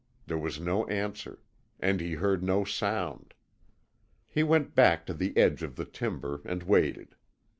There was no answer. And he heard no sound. He went back into the edge of the timber, and waited.